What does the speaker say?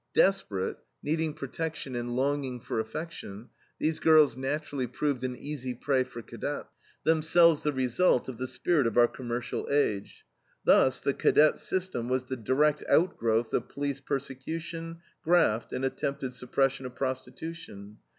Desperate, needing protection and longing for affection, these girls naturally proved an easy prey for cadets, themselves the result of the spirit of our commercial age. Thus the cadet system was the direct outgrowth of police persecution, graft, and attempted suppression of prostitution.